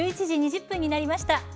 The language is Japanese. １１時２０分になりました。